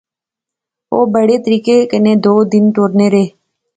او بڑے طریقے کنے دو دن ٹرنے رہے